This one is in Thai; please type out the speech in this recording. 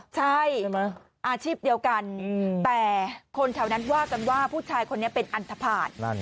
ใช่อาชีพเดียวกันแต่คนแถวนั้นว่ากันว่าผู้ชายคนนี้เป็นอันทภาษณ์